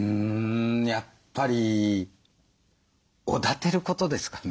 やっぱりおだてることですかね。